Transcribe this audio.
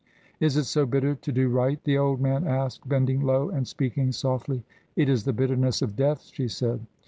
"Is it so bitter to do right?" the old man asked, bending low and speaking softly. "It is the bitterness of death," she said.